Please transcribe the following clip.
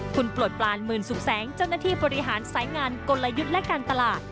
คุณปลดปลานหมื่นสุขแสงเจ้าหน้าที่บริหารสายงานกลยุทธ์และการตลาด